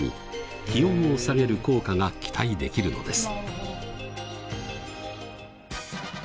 気温を下げる効果が期待できるのです。